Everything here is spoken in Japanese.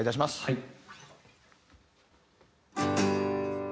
はい。